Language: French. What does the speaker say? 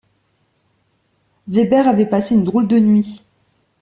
Weber avait passé une drôle de nuit.